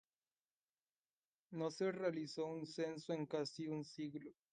No se ha realizado un censo en casi un siglo.